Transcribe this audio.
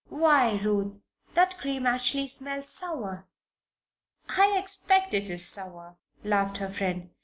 Why, Ruth, that cream actually smells sour!" "I expect it is sour," laughed her friend.